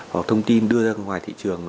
hoặc thông tin đưa ra ngoài thị trường